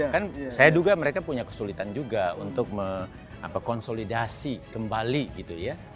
kan saya duga mereka punya kesulitan juga untuk konsolidasi kembali gitu ya